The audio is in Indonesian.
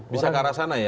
bisa ke arah sana ya